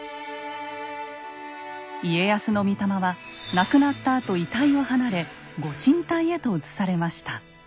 家康の御霊は亡くなったあと遺体を離れご神体へと移されました。